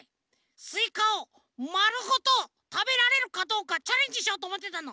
スイカをまるごとたべられるかどうかチャレンジしようとおもってたの。